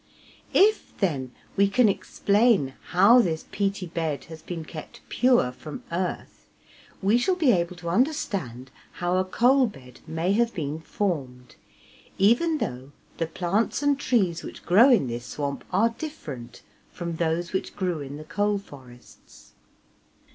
If, then, we can explain how this peaty bed has been kept pure from earth, we shall be able to understand how a coal bed may have been formed, even though the plants and trees which grow in this swamp are different from those which grew in the coal forests.